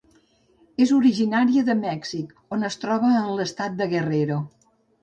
És originària de Mèxic, on es troba en l'estat de Guerrero.